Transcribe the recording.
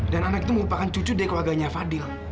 dan anak itu merupakan cucu dari keluarganya fadil